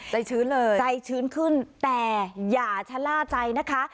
ชื้นเลยใจชื้นขึ้นแต่อย่าชะล่าใจนะคะ